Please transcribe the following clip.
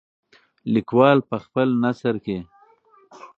لیکوال په خپل نثر کې.